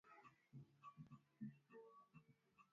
Upele wa mdomoni wa kuambukizana